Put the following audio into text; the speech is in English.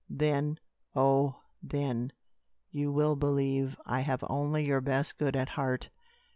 Then, oh, then, you will believe I have only your best good at heart.